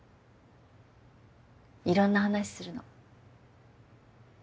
いろんな話するの。